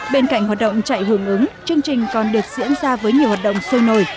bên cạnh hoạt động chạy hưởng ứng chương trình còn được diễn ra với nhiều hoạt động sôi nổi